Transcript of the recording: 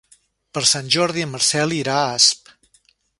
Per Sant Jordi en Marcel irà a Asp.